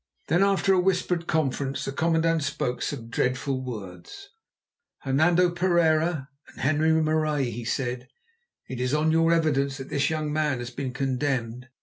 Then, after a whispered conference, the commandant spoke some dreadful words. "Hernando Pereira and Henri Marais," he said, "it is on your evidence that this young man has been condemned.